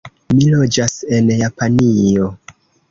Mi loĝas en Japanio.